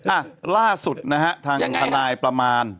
อ่ะล่าสุดนะฮะทางทนายประมาณ